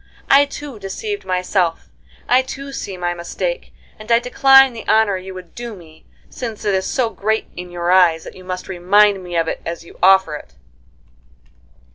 I too deceived myself, I too see my mistake, and I decline the honor you would do me, since it is so great in your eyes that you must remind me of it as you offer it."